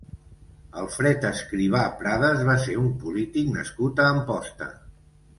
Alfred Escrivà Prades va ser un polític nascut a Amposta.